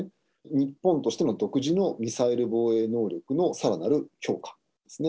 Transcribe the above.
日本としての独自のミサイル防衛能力のさらなる強化ですね。